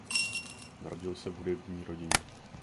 Narodil se v hudební rodině.